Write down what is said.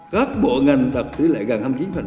các bộ ngành đạt tỷ lệ gần hai mươi chín